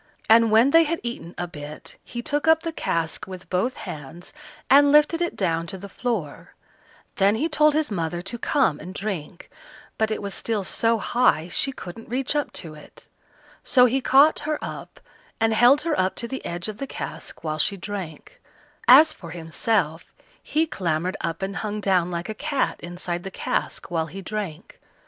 And when they had eaten a bit, he took up the cask with both hands, and lifted it down to the floor; then he told his mother to come and drink, but it was still so high she couldn't reach up to it; so he caught her up, and held her up to the edge of the cask while she drank; as for himself, he clambered up and hung down like a cat inside the cask while he drank.